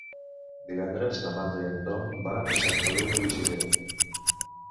Divendres na Marta i en Tom van a Sant Feliu de Buixalleu.